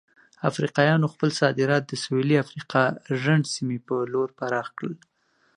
افریقایانو خپل صادرات د سویلي افریقا رنډ سیمې په لور پراخ کړل.